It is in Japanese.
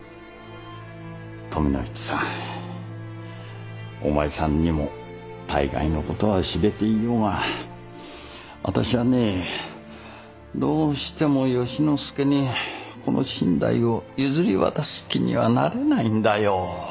富の市さんお前さんにも大概の事は知れていようが私はねどうしても由之助にこの身代を譲り渡す気にはなれないんだよ。